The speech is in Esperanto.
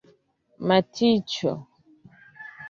matĉo